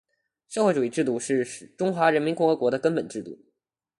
社会主义制度是中华人民共和国的根本制度